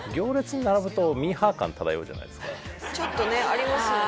ちょっとねありますよね